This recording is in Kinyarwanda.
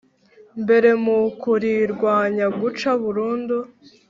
mbere mu kurirwanya Guca burundu